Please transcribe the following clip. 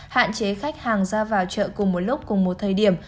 hạn chế khách hàng ra vào chợ cùng một lúc cùng một thời điểm